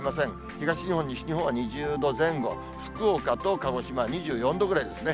東日本、西日本は２０度前後、福岡と鹿児島、２４度ぐらいですね。